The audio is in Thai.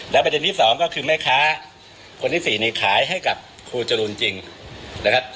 ประเด็นที่สองก็คือแม่ค้าคนที่๔นี่ขายให้กับครูจรูนจริงนะครับ